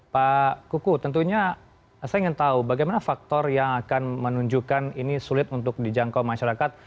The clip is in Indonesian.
pak kuku tentunya saya ingin tahu bagaimana faktor yang akan menunjukkan ini sulit untuk dijangkau masyarakat